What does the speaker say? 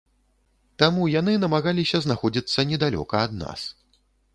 Таму, яны намагаліся знаходзіцца недалёка ад нас.